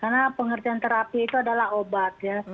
karena pengertian terapi itu adalah obat ya